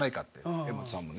柄本さんもね。